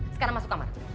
sekarang masuk kamar